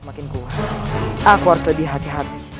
semakin kuat aku harus jadi hati hati